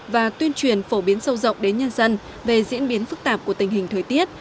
và tuyên truyền phổ biến sâu rộng đến nhân dân về diễn biến phức tạp của tình hình thời tiết